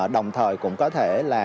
đồng thời cũng có thể là